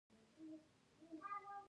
ملي ویاړ پخوا جهالت و.